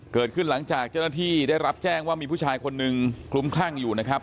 เกิดขึ้นหลังจากเจ้าหน้าที่ได้รับแจ้งว่ามีผู้ชายคนหนึ่งคลุมคลั่งอยู่นะครับ